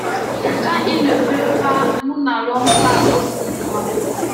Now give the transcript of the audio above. Quand il ne pleut pas nous n’allons pas au cinéma.